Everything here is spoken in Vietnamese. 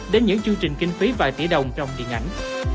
đến những chương trình kinh phí vài tỷ đồng trong điện ảnh